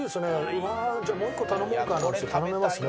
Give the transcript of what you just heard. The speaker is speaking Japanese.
うわあじゃあもう一個頼もうかなっつって頼めますね